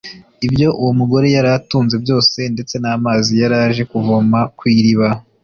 ibyo uwo mugore yari atunze byose ndetse n'amazi yari aje kuvoma ku iriba